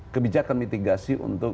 kebijakan mitigasi untuk